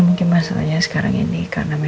mungkin masalahnya sekarang ini karena memang